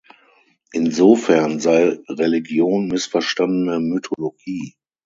Insofern sei Religion „missverstandene Mythologie“.